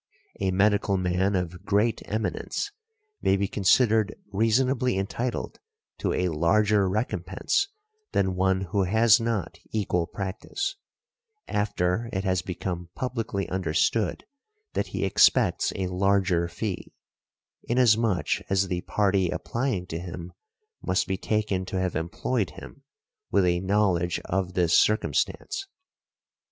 A medical man of great eminence may be considered reasonably entitled to a larger recompense than one who has not equal practice, after it has become publicly understood that he expects a larger fee, inasmuch as the party applying to him must be taken to have employed him with a knowledge of this circumstance .